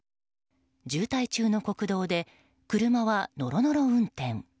渋滞中の国道で車はノロノロ運転。